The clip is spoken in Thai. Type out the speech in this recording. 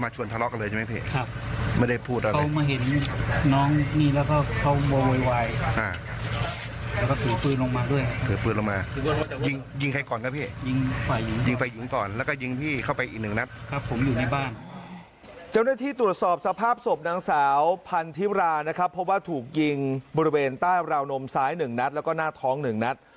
เจ้าหน้าที่ตรวจสอบสภาพศพนางสาวพันธิรานะครับเพราะว่าถูกยิงบริเวณใต้ราวนมซ้าย๑นัดแล้วก็หน้าท้อง๑นัด